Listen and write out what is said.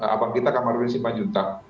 abang pita kamarudin simpanjuta